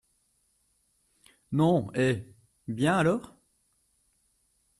Non ! eh ! bien, alors ?